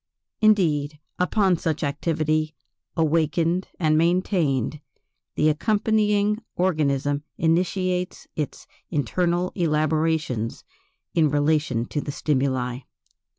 Indeed, upon such activity, awakened and maintained, the accompanying organism initiates its internal elaborations in relation to the stimuli.